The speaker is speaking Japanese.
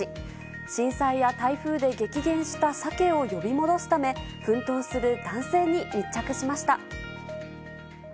震災や台風で激減したサケを呼び戻すため、奮闘する男性に密着しました。